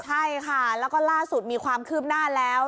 ใช่ค่ะแล้วก็ล่าสุดมีความคืบหน้าแล้ว